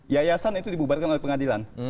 yayasan itu dibubarkan oleh pengadilan